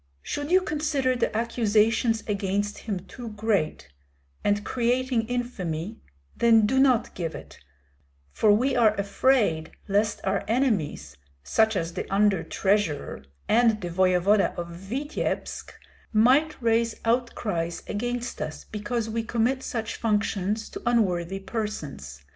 Should you consider the accusations against him too great, and creating infamy, then do not give it, for we are afraid lest our enemies such as the under treasurer, and the voevoda of Vityebsk might raise outcries against us because we commit such functions to unworthy persons.